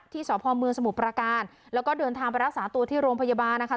สพเมืองสมุทรประการแล้วก็เดินทางไปรักษาตัวที่โรงพยาบาลนะคะ